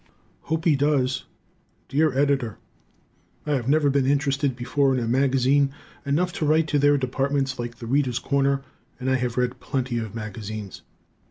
Hope He Does Dear Editor: I have never been interested before in a magazine enough to write to their departments, like "The Readers' Corner," and I have read plenty of magazines.